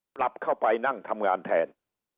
ปรับเข้าไปนั่งทำงานแทน